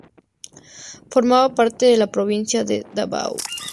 Formaba parte de la provincia de Davao.